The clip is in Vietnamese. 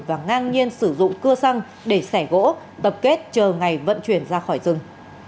và ngang nhiên sử dụng cưa xăng để xẻ gỗ tập kết chờ ngày vận chuyển ra khỏi rừng